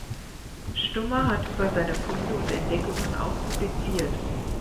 Stummer hat über seine Funde und Entdeckungen auch publiziert.